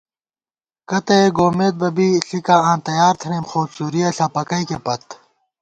کتّہ ئے گومېت بہ بی ، ݪِکاں آں تیار تھنئیم ، خو څُورِیہ ݪپَکئیکے پت